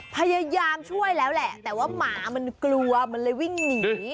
พยายามช่วยแล้วแหละแต่ว่าหมามันกลัวมันเลยวิ่งหนี